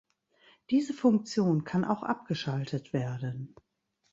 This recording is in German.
Diese Funktion kann auch abgeschaltet werden.